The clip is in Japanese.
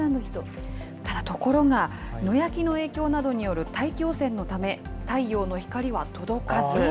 ただ、ところが、野焼きの影響などによる大気汚染のため、太陽の光は届かず。